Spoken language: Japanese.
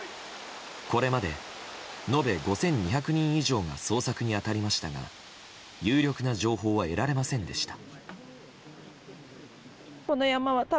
これまで延べ５２００人以上が捜索に当たりましたが有力な情報は得られませんでした。